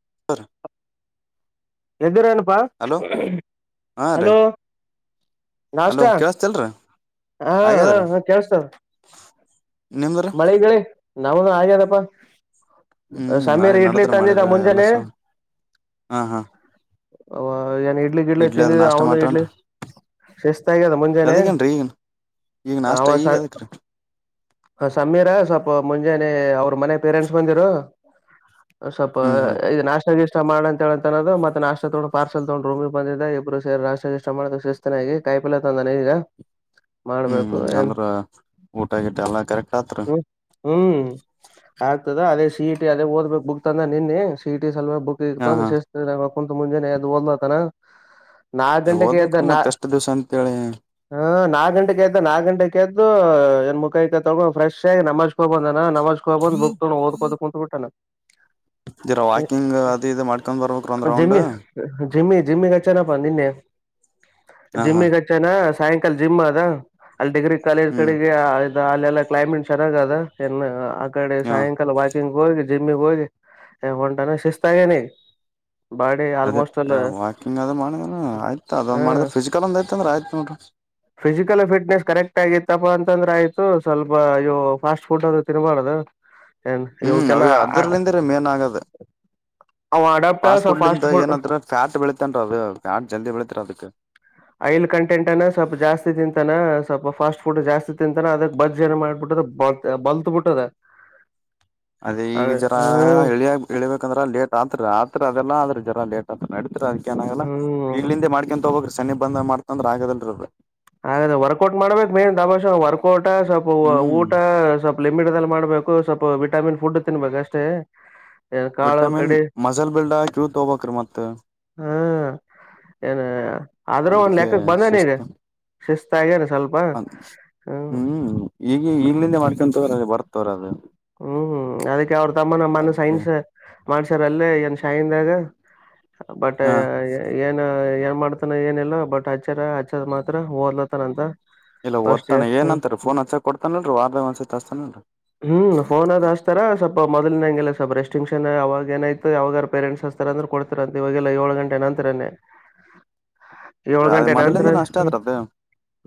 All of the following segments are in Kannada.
[unintelligible] ಎದ್ದಿ ರೇನಪ್ಪ ಹಲೋ ಹಾಂ ರೀ ಹಲೋ. ನಾಷ್ಟ ಹಲೋ ಕೇಳಸ್ತಲ್ರೀ ಹಾ ಹಾ ಹಾಗ್ಯಾದ್ರೀ ಹಾ ಕೇಳತ. ನಿಮ್ದ್ರ ಮಳಿಗಿಳಿ ನಾವನು ಆಗ್ಯದಪ್ಪ. ಹ್ಮ್ ಮಳೆ ಸಮೀರ್ ಇಡ್ಲಿ ನಡದ್ರ ಮಳೆ ತಂದಿದ ಬೆಳೆ ಎಲ್ಲ ಮುಂಜಾನೆ. ಸ ಹಾ ಹಾ ಅ ಏನ್ ಇಡ್ಲಿ ಗಿಡ್ಲಿ ಅದ್ ತಿಂದಿವವಿ ನಾಷ್ಟ ಅವನು ಇಡ್ಲಿ. ಮಾಡ್ರನ್ರಿ ಶಿಸ್ತ ಆಗ್ಯದ ಮುಂಜಾನೆ ಅದಗೇನ್ರೀ ಈಗ ಈಗ ನಾಷ್ಟ ಅವ. ಈಗ ಅದಕ್ರೀ ಸಮೀರ ಸ್ವಲ್ಪ ಮುಂಜಾನೆ ಅವ್ರ ಮನೆ ಪೇರೆಂಟ್ಸ್ ಬಂದಿರು. ಸ್ವಲ್ಪ ಹ್ಮ್ ಹ್ಮ್ ಇದು ನಾಶ್ಟಾ ಆಗ ನಾಷ್ಟಾ ಮಾಡ ಅಂತ ಹೇಳಂತ ಅದು ಮತ್ತ ನಾಷ್ಟ ತಗೊಂಡು ಪಾರ್ಸಲ್ ತಗೊಂಡು ರೂಮ ಬಂದಿದ್ದ ಇಬ್ರುರ ನಾಷ್ಟ ಗಿಷ್ಟಾ ಮಾಡೋದ ಶಿಸ್ತನಾಗಿ [unintelligible] ಹ್ಮ್ ಏನ್ ಅಂದ್ರ ಊಟಗಿಟ್ಟ ಎಲ್ಲಾ ಕರೆಕ್ಟ್ ಆತ್ರಿ ಹ್ಮ್ ಹ್ಮ್ ಆಗ್ತದ ಅದೇ ಸಿ ಇಟಿ ಅದೇ ಓದ್ಬೇಕು ಬುಕ್ ತಂದ ನಿನ್ನೆ ಸಿಟಿ. ಬುಕ್ ಹಾ ಹಾ ಇತೇ ಕುಂತತ್ ಮುಂಜಾನೆದ್ದು ಓದಲತನ. ನಾಲ್ಕು ಗಂಟೆಗೆ ಎದ್ದ ಓದ್ಬೇಕ್ರೀ ನಾ. ಮತ್ ಎಷ್ಟ್ ದಿವ್ಸ ಅಂತೇಳಿ ಹಾ ನಾಕ ಗಂಟೆಗೆದ ನಾಕ್ ಗಂಟೆಯದ್ದು. ಏನ್ ಮುಖೈಕತ ತೊಗೊಂಡು ಪ್ರಶ್ ಆಗಿ ನಮಾಜ್ ಹೋಗಿ ಬಂದನ ನಮಾಜ್ ಕೈ ಹೋಗಿ ಬಂದ ಬುಕ್ ತೊಂಡು ಓದಕೋದ್ ಕುಂತ್ ಬಿಟ್ಟಾನನ. ಜರ ವಾಕಿಂಗ್ ಅದು [unintelligible] ಇದು ಮಾಡ್ಕೊಂಡ್ ಬರ್ಬೇಕ್ರ ಒಂದ್ ರೌಂಡ್ ಜಿಮ್ಮಿ ಜಿಮ್ಮಿ ಜಿಮ್ಮಿಗೆಚ್ಚನಪ್ಪ ನಿನ್ನೆ. ಹಾ ಹಾ ಜಿಮ್ಮಿಗ ಹಚ್ ನ. ಸಾಯಂಕಾಲ ಜಿಮ್ ಅದ ಅಲ್ಲಿ ಡಿಗ್ರಿ ಕಾಲೇಜ್ ಹ್ಮ್ ಕಡೆಗೆ. ಅಲ್ಲ ಎಲ್ಲಾ ಕ್ಲೈಮೇಟ್ ಚೆನ್ನಾಗ ಅದ ನ್ ಆಗಡೆ ಹಾ ಸಾಯಂಕಾಲ ವಾಕಿಂಗ್ ಹೋಗಿ. ಜಿಮ್ಮಿಗೆ ಹೋಗಿ ಹೊಂಟಾನ ಶಿಸ್ತಾಗೆನ್ ಅದೇ ವಾಕಿಂಗ್ ಅದ ಮಾಡಿದ ಆಯ್ತು ಹಾ ಅದೊಂದು ಮಾಡಿದ್ರೆ ಫಿಸಿಕಲ್ ಒಂದು ಆ್ತ ಅಂದ್ರೆ ಆಯ್ತು ನೋಡ್. ಫಿಸಿಕಲ್ ಪಿಟ್ನೆಸ್ ಕರೆಕ್ಟ್ ಆಗತ್ತಪ್ಪ. ತಂದ್ರೆ ಆಯ್ತು ಸ್ವಲ್ಪ ಇ ಫಾಸ್ಟ್ ಫುಡ್ ಅ್ರ ತಿನ್ಬಾರ್ದು. ಏನ್ ಹ್ಮ್ ಅ ಇವಕ್ಕೆಲ್ಲ ಅದ್ರಲಿಂದ್ರೆ ಮೇನ್ ಆಗದ. ಅವ ಅಡಾಪ್ಟ ಫಾಸ್ಟ್ ಸ್ವಲ್ ಫುಡ್ಲಂದ ಫುಡ್ ಏನತ್ರ ಫ್ಯಾಟ್ ಬೆಳೀತೇನ್ರ ಅವ ಫ್ಯಾಟ್ ಜಲ್ದಿ ಬೆಳೀತರ ಅದಕ್. ಐಲ್ ಕಂಟಂ ಅನ್ನು ಸ್ವಲ್ಪ ಜಾಸ್ತಿ ತಿಂತಾನ ಸ್ವಲ್ಪ ಫಾಸ್ಟ್ ಫುಡ್ ಜಾಸ್ತಿ ತಿಂತಾನ ಅದಕ್ ಬೋಜ್ ಎನ ಮಾಡ್ಬಿದ ಬತ್ ಬಲ್ತು ಬಿುಟ್ಟದ. ಅದೇ ಈಗ ಜರ ಎಳಿಯ ಎಳಿಬೇಕಂದ್ರ ಲೇಟ್ ಆತ್ ಆತ್ರ ಅದೆಲ್ಲಾ ಆದ್ರ ಜರ ಲೇಟ್ ಸ ನಡತತ್ರಿ ಅದಕ ಏನಾಗಲ್ಲ ಹ್ಮ್ ಈಗ್ಲಿಂದ ಮಾಡಕಂತ ಹೋಗ್ರಿ ಸನಿಪ ಬಂದ್ತಂದ್ರೆ ಆಗದಲ್ರರಿ. ಹಾಗಾದ್ರೆ ವರ್ಕೌಟ್ ಮಾಡ್ಬೇಕ್ ಮೇನ್ ದಬಾಷೆ ವರ್ಕೌಟ ಸ್ವಲ್ಪ ಹ್ಮ್ ಊಟ ಸ್ವಲ್ಪ್ ಲಿಮಿಡ್ದಲ್ಲಿ ಮಾಡ್ಬೇಕು ಸ್ವಲ್ಪ ವಿಟಾಮಿನ್ ಫುಡ್ ತಿನ್ಬೇಕು ಅಷ್ಟೇ. ಏನ್ ಕಾಳು ವಿಟಮಿನ್ ಕಡಿ ಮಸಲ್ ಬಿಲ್ಡ ಕ್ಯೂತೋಬೇಕ್ರಿ ಮತ್ತ ಹ್ಮ ಏನ ಆದ್ರ ಒಂದ ಲೆಕ್ಕಕ್ ಬಂದನೆನ ಹ ಹ್ಮ್ ಈಗ ಈಗ್ಲಿಂದೆ ಮಾಡ್ಕೊಂತ್ರ ಬರ್ ತೋರದು. ಹ್ಮ್ ಹ್ಮ್ ಅದಕ್ಕೆ ಅವ್ರ ತಮ್ಮನ್ನ ಮೊನ್ನೆ ಅದಕ್ಕೆ ಸೈನ್ಸ್ ಮಾಡ್ಸ್ಯಾರ ಅಲ್ಲೇ ಎನ್ ನ್ದಾಗ ಬಟ್ ಹಾ ಏನ ಏನ್ ಮಾಡ್ತಾನ ಏನಿಲ್ಲ ಬಟ್ ಅಚ್ಚಾರ ಅಚ್ಚಾರ ಮಾತ್ರ ಓದ್ಲಾತಾನ ಅಂತ. ಇಲ್ಲ ಓದ್ತಾನ ಏನಂತಾರ ಫೋನ್ ಹಚ್ಚ ಕೊಡ್ತಾನಿಲ್ರಿ ವಾರದಾಗ ಒಂದ್ಸತಿ ಹಚ್ತಾನಿಲ್ರಿ. ದತರ. ಮೊದಲಿನಂಗಿಲ್ಲ ಸ್ವಪ ರೆಸ್ಟಿಂಕ್ಷನ್ ಅವಾಗೇನಾಯ್ತ ಯಾವಾಗಾರ ಪೇರೆಂಟ್ಸ್ತ ಹಚ್ತಾರ ಅಂದ್ರ ಕೊಡ್ತಾದ್ರ ಅಂತ ಇವಾಗೆಲ್ಲ ಏಳ್ ಗಂಟೆ ನಂತರ ನೇ ಏಳ್ ಅ ಗಂಟೆ ನಂತರ ಮೊದಲಿಂದನ ಅಷ್ಟೇ ಹ್ಮ ಆದ್ರ ಅದು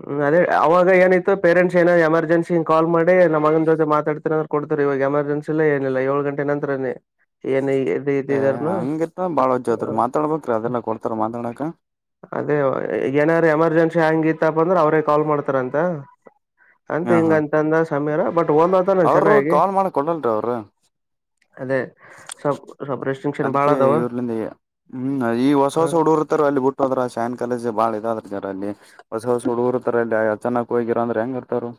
ಹ್ಮ್ ಅದೇ ಅವಾಗ ಏನಿತ್ತ ಪೇರೆಂಟ್ಸ್ ಏನೋ ಎಮರ್ಜನ್ಸಿ ಹಿಂಗ್ ಕಾಲ್ ಮಾಡಿ ನಮ್ಮಗನ ಜೊತೆ ಮಾತಾಡ್ತಿನಂದ್ರ ಕೊಡ್ತದ್ರ ಇವಾಗ ಎಮರ್ಜೆನ್ಸಿ ಇಲ್ಲ ಏನಿಲ್ಲ ಏಳ್ ಗಂಟೆ ನಂತರ ನೇ ಎ ಏ ಹಂಗಿತ್ತ ಬಾಳೊಜ್ಜತ್ರಿ ಮಾತಾಡ್ಬೇಕ್ರೀ ಅದೆಲ್ಲಾ ಕೊಡ್ತಾರ ಮಾತಾಡಕ. ಅದೇ ಈಖ ಏನಾರ ಎಮರ್ಜೆನ್ಸಿ ಹಂಗ ಇತ್ತಪ್ಪ ಅಂದ್ರೆ ಅವ್ರೇ ಕಾಲ್ ಮಾಡ್ತಾರಂತ. ಅಂತ ಹ ಹಾ ಹಿಂಗಂತ ಅಂದ ಸಾಮ್ಯರ ಬಟ್ ಒಂದಂತ ಅವರು ಚೆನ್ನಾಗಿ ಕಾಲ್ ಮಾಡ ಕೊಡಲ್ರಿ ಅವ್ರು ಅದೇ ಸಪ್ ಸಪ್ ಅದಕ್ಕೆ ಇವರ್ಲಿಂದ ಹ್ಮ ಈ ಹೊಸ ಹೊಸ ಹುಡುರ್ತಾರ ಅಲ್ಲಿ ಬಿುಟ್ಟು ಹೋದ್ರ ಸಾನ್ ಕಾಲೇಜ್ ಬಾಳ ಇದಾದ ಅಲ್ಲಿ ಹೊಸ ಹೊಸ ಹುಡುಗರ್ತಾರ ಅಲ್ಲಿ ಚೆನ್ನಾಗಿ ಹೋಗಿರ ಅಂದ್ರೆ ಹೆಂಗ ಇರ್ತಾರು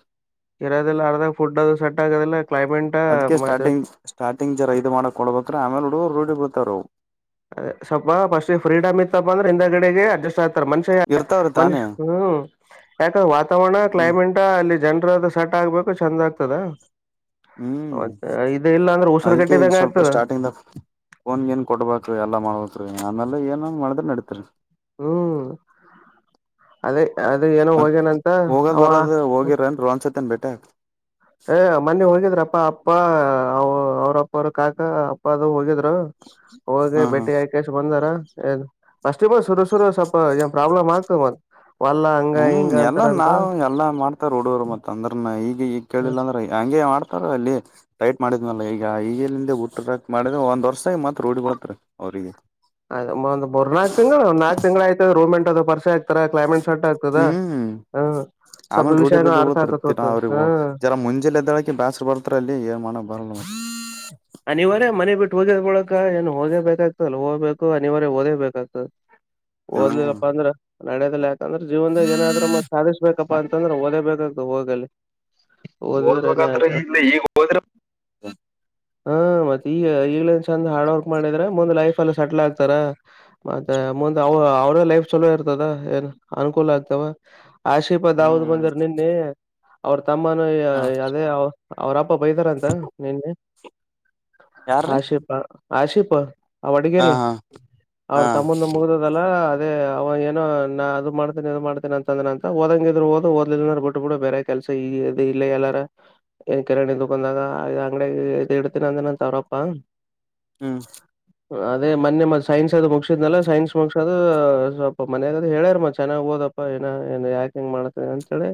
ಇರೋದಲ್ಲ ಅರ್ದಾಗ ಫುಡ್ ಅದು ಸೆಟ್ ಆಗದಿಲ್ಲ. ಅದ್ಕೆ ಸ್ಟಾರ್ಟಿಂಗ್ ಸ್ಟಾರ್ಟಿಂಗ್ ಜರ ಇದು ಮಾಡಕ್ಕೊಳ್ಬೇಕ್ರ ಆಮೇಲೆ ಹುಡುಗುರು ರೂಢಿ ಬಿರ್ತಾರವು. ಅದ ಸ್ವಲ್ಪ ಫಸ್ಟ್ ಫ್ರೀಡಮ್ ಇತ್ತಪ್ಪ ಅಂದ್ರ ಹಿಂದಗಡೆಗೆ ಅಡ್ಜಸ್ಟ್ ಆಗ್ ಮನ್ಷ್ಯರ ಇರ್ತಾವ್ರಿ ತಾನೇ ಮನ್ಷ್ ಹ್ಮ ಯಾಕ ವಾತಾವರಣ ಕ್ಲೈಮೇಟ್ ಅಲ್ಲಿ ಜನ ಸೆಟ್ ಆಗ್ಬೇಕು ಚೆಂದ ಆಗ್ತದ. ಹ್ಮ್ ಇದು ಇಲ್ಲ ಅಂದ್ರೆ ಉಸರು ಅದಕ್ಕೆ ಈಗ ಕಟ್ಟಿದಂಗ ಸ್ವಲ್ಪ ಆಗ್ತದ ಸ್ಟಾರ್ಟಿಂಗ್ ಫೋನ್ ಗೀನ್ ಕೊಡ್ಬಾಡ್ ಎಲ್ಲ ಮಾಡಬೇಕೀ ಆಮೇಲೆ ಏನ ಮಾಡಿದ್ರು ನಡೀತ್ರಿ. ಹ್ಮ್ ಅದೇ. ಅದೇ ಏನೋ ಮತ್ ಹೋಗ್ಯನಂತ ಹೋಗದ್ ಅವ ಬರದ ಹೋಗಿರೇನ್ರೀ ಒನ್ಸತ್ತನ್ ಬೆಟ್ಟಿ ಆಗಾಕ ಏ ಮೊನ್ನೆ ಹೋಗಿದ್ರಪ್ಪ ಅಪ್ಪ ಅವ್ರಪ್ಪ ಅವರು ಕಾಕಾ ಅಪ್ಪ ಅದು ಹೋಗಿದ್ ಹೋಗಿ ಹಾ ಹಾ ಭೇಟಿ ಆಗಿಕಾಷ್ ಬಂದಾರ. ಏ ಫಸ್ಟೀಗ ಶುರು ಶುರು ಸ್ವಲ್ಪ ಏನ್ ಪ್ರಾಬ್ಲಮ್ ಆಗ್ತದ್ ಮತ್ ವಲ್ಲ ಹಂಗ ಹ್ಮ್ ಹಿಂಗ ಎಲ್ಲ ಅಂತಾರಂತ ನಾವ ಎಲ್ಲಾ ಮಾಡ್ತಾರ ಹುಡ್ಗೂರು ಮತ್ತ ಅಂದ್ರನ ಈಗ ಈ ಕೇಳಿಲ್ಲಾಂದ್ರ ಹಂಗೆ ಮಾಡ್ತಾರ ಅಲ್ಲಿ. ಟೈಟ್ ಮಾಡಿದ್ನಲ್ಲ ಈಗ ಈಗಲಿಂದ ಹುಟ್ಟಕಟ್ಟ ಮಾಡಿರ ಒಂದ್ ವರ್ಷದಾಗ ಮತ್ ರೂಡಿ ಬೀಳ್ತಾರ ಅವ್ರಿಗೆ. ಅದ ಮೂರ್ ನಾಕ್ ತಿಂಗಳು ಒಂದ್ ನಾಕ್ ತಿಂಗ್ಳ ಆಯ್ತಂದ್ರ ರೂಮೆಂಟ್ ಅದು ಪರಿಚಯ ಆಗ್ತರ ಕ್ಲೈಮೇಟ್ ಆಗ್ತದಾ ಹ್ಮ್ ಹಾ ಸ್ವಲ್ಪ ಆಮೇಲೆ ರೂಢಿ ವಿಷಯನ ಬಿದ್ದ ಅರ್ಥ ಹೋತ್ತರ ಆಕತ್ ದಿನ ಹೊತ ಅವ್ರೇ ಹಾ ಜರ ಮುಂಜೆಲ್ ಎದ್ದಳಕ ಬ್ಯಾಸರ ಬರ್ತರಲ್ಲಿ ಏನ್ ಮಾಡ [unintelligible] ಅನಿವಾರ್ಯ ಮನೆ ಬಿಟ್ಟು ಹೋಗ್ಯದ್ ಬಳಕ ಏನು ಹೋಗೇ ಬೇಕಾಗ್ತಲ್ಲ ಹೋಗ್ಬೇಕು ಅನಿವಾರ್ಯ ಓದೇಬೇಕಾಗ್ತದ ಹ್ಮ್ ಓದ್ಲಿಲ್ಲಪ್ಪ ಅಂದ್ರ ನಡೆದಿಲ್ಲ್ ಯಾ ಅಂದ್ರ ಜೀವನದಾಗ ಏನಾದ್ರು ಮಾಡ್ ಸಾಧಿಸ್ಬೇಕಪ್ಪಾ ಅಂತಂದ್ರ ಓದೇಬೇಕಾಗ್ತದ್ ಹೋಗಲ್ಲಿ. ಓದಿದ್ರೆ ಏನೇ ಓದ್ಬೇಕಂತ್ರ ಆಯ್ತ ಈಗ್ಲೇ ಈಗ್ ಹೋದ್ರ ಹಾ ಮತ್ತೆ ಈಗ ಈಗ್ಲನ್ ಚಂದ ಹಾರ್ಡ್ ವರ್ಕ್ ಮಾಡಿದ್ರೆ ಮುಂದ್ ಲೈಫ್ ಎಲ್ಲ ಸೆಟ್ಲ್ ಆಗ್ತಾರ ಮತ್ತೆ ಮುಂದೆ ಅವ ಅವರೇ ಲೈಫ್ ಚೊಲೋ ಇರ್ತದ ಏನ್ ಅನುಕೂಲ ಆಗ್ತವ ಆಶಿ ದಾವೂದ್ ಹ್ಮ್ ಬಂದರು ನಿನ್ನೆ ಅವ್ರ ತಮ್ಮನ ಹ ಅದೇ ಅವ್ರಪ್ಪ ಪ್ಪ ಬೈದಾರ ಅಂತ ನಿನ್ನೆ ಯಾರ್ರೀ ಆಶಿಪ ಆಶಿಪ. ಆವ ಹಾ ಅಡಗೇರಿ ಹಾ ಅವ್ರ ಹಾ ತಮ್ಮಂದ ಮುಗ್ದದಲ್ಲ ಅದ ಅವ ಏನೋ ನಾ ಅದು ಮಾಡ್ತೀಿ ಇದು ಮಾಡ್ತೀಿ ಅಂದ್ರ ಅಂತಓದಂಗಿದ್ರ ಓ್ ದಲಲ್್ ಬಿಟ್ ಬಿಡು ಬೇರೆ ಕೆಲ. ಇ ಇಲ್ಲ ಎಲ್ಲಾರ ಕೆರೆಕಂದಾಗ ಅಂಗಡ. ತಿನಂದನದ ಅಂತಅವ್ರಪ್ಪಾ. ಹ್ಮ. ಅದೇ ಮೊನೆ ಮತ್ ಸೈನ್ಸ್ ಅದು ಮುಗಸಿದ್ನಲ್ಲ ಸೈನ್ಸ್ ಮುಗ ಅದು ಸ್ವಲ್ಪ ಮನ್ಯಾಗಾದ್ ಹೇಳ್ಯಾರ ಮತ್ ಚೆಾಗ್ ಹಓದ. ಾ ಏ ಏ ಯಾಕ ಹೆಂಗ್ ಮಾಡ್ತ ಅಂತ ಹೇಳಿ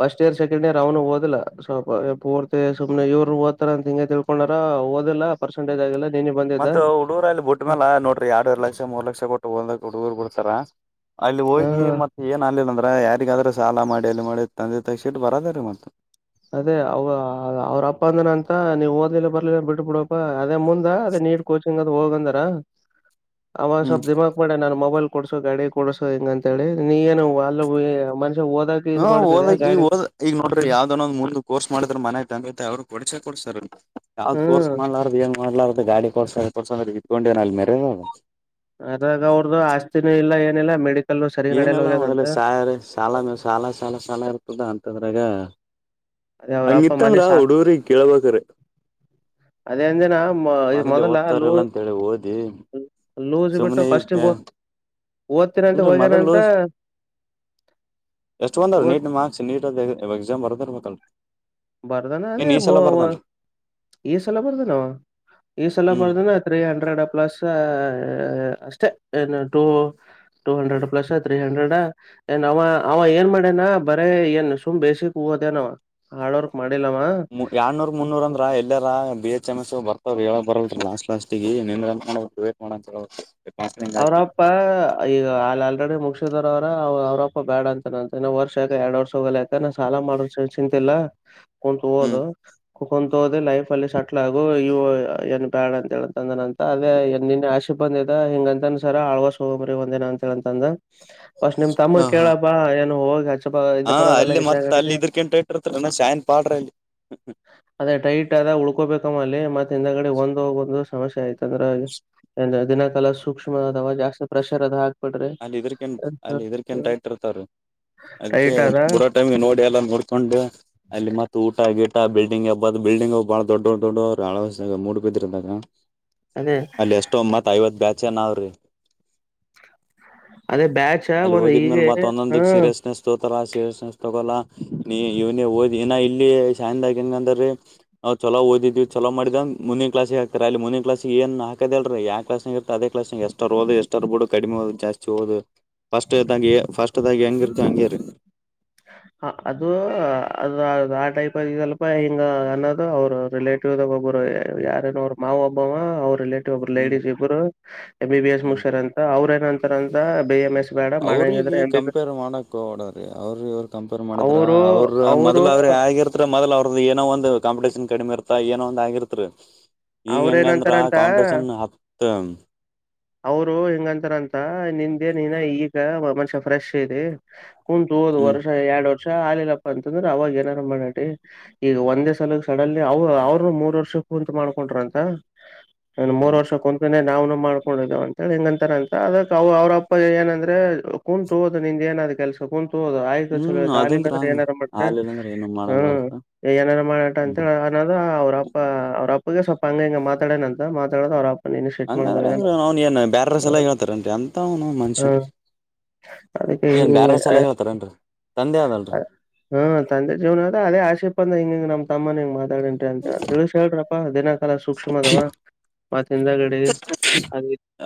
ಫಸ್ಟ್ ಇಯರ್ ಸೆಕೆಂಡ್ ಇಯರ್ ಅವನು ಓದಿಲ್ಲಪ. ಓಡ್ತ ಸುಮ್ನೆ ಇವರು ದ್ತ ಅ ಹಿಂಗಗೆ ತಿಳ್ಕೊಂಡಾರ ಓದಿಲ್ಲಲ್ಲ ಪರ್ಸೆಟೇಜ್ ಆಗಿಲ್ಲಲ್ಲ. ಮತ್ತತ್ ಹುಡುೂರ್ಲ್ಲಿ ಬಿಟ್ಟ್ಮೇಲ್ಲ ನೋಡ್ರಿ ಎರಡು ಎರಡು ಲಕ್ಷ ಮೂರ್ ಲಕ್ಷ ಕೊಟ್ಟು ಹಓದಕ್ ಹುಡುಗೂರ್ ಬಿಡ್ತಾರ. ಅಲ್ಲಿ ಹೋಗಿ ಹಾ ಮತ್ತತ್ ಏನ್ ಆನ್ಲಿಲ್ಲ ಅಂದ್ರ ಯಾರಿಗಾದ್ರೂ ಸಾಲ ಮಾಡಿ ಅಲ್ಲಿ ಮಾಡಿದ. ತಂದೆ ತಾಯಿಗೆ ಶಿಟ್ ಬರದ ರೀ ಮತ್ತ. ಅದೇ ಅವ ಅವ್ರಪ್ಪ ಅಂದನ ಅಂತ ನೀವು್ ಓದ್ಲಿಲ್ಲ ಬರ್ಲಿಲ್ಲ ಬಿಟ್ಟ ಬಿಡಪ್ಪ ಅದೇ ಮುಂದ ಅದೇ. ನೀಟ್ ಕೋಚಿಂಗ್ ಹೋಗಾಂದರ್ ಅವ ಹ್ಮ್ ಸ್ಪಲ್ಪ ದಿಮಾಕ್ ಮಾದ್ಯನ್ ಮೊಬೈಲ್ ಕೊಡ್ಸೋ ಗಾ ಕೊಡ್ಸೋ ಹೆಂಗಂತ ಹೇಳಿ ನೀಗೇನು ಅಲ್. ಹಾ ಓದಕ್ ಈ ಹಓದ್ ಈಗ ನೋಡ್ರಿ ಯಾವ್ದನೊಂದ್ ಮುಂದ. ಕೋರ್ಸ್ ಮಾಡಿದ್ರ ಮನೆ ತಂಗೈತೆ ಅವ್ರು ಕೊಡಸೆ ಕೊಡ್ಸರ್ ಯಾವ್ದ್ ಕೋರ್ ಹ್ಮ್ ಮಾಡಲಾರಂಗ. ನೋಡ್ಲಾರ್ದ ಗಾಡಿ ಕೊಡ್ಸ ಕೊಡ್ಸಂದ್ರೆ ಇದತ್ಕೊಂಡೇವನ ಅಲ್ಲಿ ಮೇರೆ. ಅದಾಗ ಅವ್ರ್ದು ಆಸ್ತಿನೂ ಇಲ್ಲ ಏನಿಲ್ಲ ಮೆಡ. ಏನೆಲ್ಲ ಮೊದಲ ಸ ಸಾಲ ಸಾಲ ಸಾಲ ಸಾಲ ಇರ್ತದ ಅಂತದ್ರಾಗ. ಅದೇ ಅವ್ರ ಅಪ್ಪ ಮನೆ ಹಂಗಿತ್ತಂಗಲ್ಲಾ ಸಾ ಒಡುೂರಿ ಕಳಬೇಕಕರೆ. ಅದೇ ಅಂದಿನ ಮೊದ್ಲೆೇ ಮೊದಲ ಲೂ ಓದ್ತಾರಲ್ಲ ಅಂತೇಳಿ ಓದಿ ಲೂಸ್ ಬಿಟ್ಟು ಸುಮ್ಮ್ನೆ ಈಗ ಫಸ್ಟಿಗೆ ಓದ್ತೀನಂತ ಹೋಗೇನಂತ. ಎಷ್ಟು ಒಂದ್ರ ನೀಟ್ ಮಾರ್ಕ್ಸ್ ನೀ ಎಕ್ಸಾಮ್ ಬರದ ಇರ್ಬೇಕಲ್. ಬರದಾನ ಅದೇ ಮೂ ವ ಈ ಸಲ ಬರ್ದನ ಈ ಸಲ ಹ್ಮ್ ಬರ್ದನ ತ್ರೀ ಹಂಡ್ರೆಡ್ ಪ್ಲಸ್. ಅಷ್ಟೆ ಏನ್ನು್ದೋ. Two hundred plus three hundred ಏನ್ ಅವ ಅವ ಏನ್ ಮಾಡೇನಾ ಬರೇ ಏನ್ ಸುಮ್ ಬೇಸಿಕ್. ದೇನ ಹಾರ್ಡ್ ವರ್ಕ್ ಮಾಡ. ಎರನೂರ್ ಮುನ್ನೂರ ಅಂದ್ರ ಎಲ್ಲಾರ ಬಿ ಎಚ್ ಬರ್ವ್ರರು ಹೇಳಕ್ ಬರಲ್ರಿ ಲಾಸ್ಟ್ ಲಾಸ್ಟಗ ನಿನ್ ಮಾಡ ಡೇಟ್ ಮಾಡ ಅಂತ ಹೇಳ. ಕಾಸ್ಲಿಂಗ್ ಹಾಕಿ ಅವ್ರಪ್ಪ ಈಗ ಅಲ್ಲಿ ಆಲ್ರೆಡಿ ಮುಗಿದ. ಅವ್ರ ಅವ್ರಪ್ಪ ಬೇಡ ಅಂತನಂತೆನ ವರ್ಷ ಯಾಕ ಎರಡ್ ವರ್ಷ ಹೋಗಲ್ಲ ಯಾಕ ನಾ ಸಾಲ ಮಾಡ ಚಿಂತಿಲ್ಲಾ. ಕತ್ು ಹ್ಮ್ ಓದು. ಕುಕೊಂಡಂತ ಹೋದಿ ಲೈಫ್ ಅಲ್ಲಿ ಸೆಟ್ಲ್ ಆಗು ಇ ಏನ್ ಬ್ಯಾಡ್ ಅಂತ ಹೇಳಂತಂದನ ಅಂತ ಅದೇ ನಿನ್ನ ಆಶ. ಬಂದದ ಹೆಂಗಂತ. ಸರ ಆಳ್ಗಸ್ ಹೋಗ್ರಿ ಒಂದಏನ ಅಂತ ಅಂತ ಅಂದ ಬಸ್ ನಿಮ್ ತಮ್ಮ ಹ ಹಾ ಕೇಳಪ್ಪಾ ಏನು ಹೋಗ ಹಾ ಅಲ್ಲಿ ಮತ್ತ ಅಲ್ಲಿ ಇದ್ರಕಂತ ಇಟ್ಟಿರ್ತ್ ನ ಸಾಯನ್ ಪಾಡ್ರಿ ಅಲ್ಲಿ. ಅದೇ ಟೈಟ್ ಆದ ಉಳ್ಕೋಬೇಕಮ್ಮಲ್ಲಿ. ಮತ್ತ ಹಿಂದಗಡೆ ಒಂದು ಒಂದು ಸಮಸ್ಯೆ ಆಯ್ತಂದ್ರ ದಿನಕಾಲ ಸೂಕ್ಷ್ಮ. ಇದಾವ ಜಾಸ್ತಿ ಪ್ರೆಷರ್ ಅದ ಹಾಕ್ಬಿಡ್ರಿ ಅಲ್ಲಿ ಇದ್ರಕ ಅಲ್ಲಿ ಇದರ್ಕಂತೈಟ್ ಇರ್ತರು ಅದ್ಕ್ಕೆ ಟೈಟ್ ಅದ ಬುರಾಟೈಮಗೆ ನೋಡಿ ಎಲ್ಲ ನೋಡ್ಕೊಂಡು ಅಲ್ಲಿ ಮತ್ತ ಊಟ ಆಿಟ್ಟ ಬಿಲ್ಡಿಂಗ್ ಹಬ್ಬದ ಬಿಲ್ಡಿಂಗ್ಬ್ಬ ಬಾಳ ದಡ್ಡ ದೊಡ್ಡ ಅವ್ ಹಳ ಮೂಡ್ ಬಿದ್ರದಾಗ ಅದೇ ಅಲ್ಲಿ ಎಷ್ಟೊಮ್ಮತ್ ಐವತ್ ಬ್ಯಾಚ್ ನಾವ್ರಿ ಅದೇ ಬ್ಯಾಚ ಅಲ್ಲಿ ಒಂದ್ ಹೋಗಿದ್ಮೇಲೆ ಹೀಗೆ ಮತ್ತ ಒಂದೊಂದ ಹ್ಮ ಸೀರಿಯಸ್ನೆಸ್ ತೋತಾರ ಸೀರಿಯಸ್ನೆಸ್ ತಗೊಲ್ಲ ನೀ ಇವನ ಓದಿ ಇನ ಇಲ್ಲಿ ಶಾಯದಾಗ ಹೆಂಗ ಅಂದ್ರೀ ನಾವು ಚಲೋ ಓದಿದಿವವಿ ಚಲೋ ಮಾಡಿದಂದ ಮುಂದಿನ ಕ್ಲಸ್ ಹಾತ ಅಲ್ಲಿ ಮುಂದಿನ ಕ್ಾಸ್ ಏನ್ ಹಾದಲ್ರಿ ಯಾ ಕ್ಲಸ್ಗ ಇ ಅೇ ಕ್ಲಸ್ ಎಷ್ಟರ್ೋ ಎಷ್ಟರ್ ಬಿ ಕಡಿಮ ಹೋದು ಜಾಸ್ತಿ ಹೋದು ಫಸ್ಟ್ದಾಗಿ ಫಸ್ಟ್ದಾಗಿ ಹೆಂಗಿರ್ತ ಹಂಗ್ಯರ್ [inaudible] ಹ ಅದು ಅದು ಆ ಟೈಪ್ ಆಗಲ್ಪ ಹಿಂಗ ಅನ್ನದು ಅವರು ರಿಲೇಟಿವ್ಾಗ ಒಬಾರು ಹ್ಞೂ ಯಾರೇನೋ ಅವ್ರ ಮಾವ ಒಬ್ಬವ ಅವ್ರ ಇಲ್ಲ ಒಬ್ರು ಹ್ಞೂ ಲೇಡಿಸ್ ಇಬ್ಬರು ಎಂ ಬಿ ಎಸ್ ಹ್ಞೂ ಮುಗಸ್ಯಾರ್ ಅಂತ ಅವ್ರ ಏನ ಅಂತಾರ ಅಂತ ಬಿ ಎಂ ಎಸ್ ಬೇಡ ಅವ್ರಿಗ ಮಾಡಂಗಿದ್ರೆ ಎಂ ಬಿ ಬಿ ಕಂಪೇರ್ ಮಾಡಕ ಹೊಗಬೇಡ ಅವರು ಇವ್ರ ಕಂಪೇರ್ ಮಾಡಿದ್ರೆ ಅವರು ಅವ್ರರು ಅವರು ಮೊದಲ ಅವ್ರರು ಹಾಗಿರ್ತರಿ ಮೊದಲ ಅವ್ರದ ಏನ ಒಂದು ಕಾಂಪಿಟೇಷನ್ ಕಡಿಮೆ ಇರ್ತ ತ್ತ ಏನೋ ಒಂದ ಆಗಿರ್ತಿ ಈಗ ಅವ್ರ ಹೆಂಗಂದ್ರ ಏನಂತಾರಂತ ಕಾಂಪಿಟೇಷನ್ ಹತ್ತ ಅವರು ಹೆಂಗಂತಾರಂತ ನಿಂದೆನ ಇನ್ ಈಗ ಮನುಷ್ಯ ಫ್ರೆಶ್ ಇದಿ ಕುಂತು ಓದು ಹ್ಮ್ ವರ್ಷ ಎರಡು ವರ್ಷ ವರ್ಷ ಆಗ್ಲಿಲ್ಲಪ್ಪಾ ಅಂತಂದ್ರೆ ಅವಾಗ ಏನಾರ ಮಾಡಾಡಿ ಈಗ ಒಂದೇ ಸಲ ಸಡನ್ಲಿ ಅವ ಅವ್ರನು ಮೂರ್ ವರ್ಷ ಕುಂತ ಮಾಡ್ಕೊಂಡ್ರ ಅಂತ ಮೂರ್ ವರ್ಷ ಕುಂತ ನಾವುನು ಮಾಡ್ಕೊಂಡಿದ್ದೇವ ಅಂತಿ ಹೆಂಗಂತಾರ ಅಂತ ಅದ ಅವ ಅವ್ರಪ್ಪ ಏನಂದ್ರೆ ಕುಂತು ಓದು ನಿಂದ ಏನ ಕೆಲಸ ಹದು ಆಯ್ತು ಚಲ ಹ್ಮ್ ತಾಲಿಲ್ಲ ಅದಂದ್ರ ಅಂದ್ರೆ ಏನಾರ ಮಾಡಕ ಹಾಲಿಲ್ಲಂದ್ರ ಏನು ಮಾಡಕ್ ಹ್ಮ ಬರ್ತ ಏನಾರ ಮಾಡಟ ಅಂತ ಹ್ಮ್ ನದ ಅವ್ರ ಅಪ್ಪ ಅವ್ರ ಅಪ್ಪಗೆ ಸ್ವಲ್ಪ ಹಂಗ ಹಂಗ ಮಾತಾಡೇಣ ಅಂತ ಮಾತಾಡದ ಅವ್ರಪ್ಪ ಹಂಗಂದ್ರ ಅಂಗ್ರ ಅವ್ನ್ ಏನ್ ಬ್ಯಾರ್ರಸ ಎಲ್ಲ ಹೇಳ್ತಾರನ್ರಿ ಅಂತ ಅವ್ನು ಮನುಷ್ಯ ಅದಕ್ಕೆ ಏನ್ ಬ್ಯಾರರ ಸಲಗ ಹೇಳ್ತಾರೇನ್ರಿ ತಂದೆ ಆದಲ್ರರಿ ಹ್ಮ ತಂದೆ ಜೀವನ ಅದ ಅದ ಆಶೀಪ ಅಂದ ಹಿಂಗ ನಮ ತಮ್ಮನ ಹಿಂಗ ಮಾತಾಡೇನರಿ ಅಂತ ಹೇಳ ತಿಳಷ ಹೇಳ್ರ ದಿನಕಾಲ ಸೂಕ್ಷ್ಮ ಅದವಾ ಮತ್ತಿಂದಗಡಿ ಹಾಗ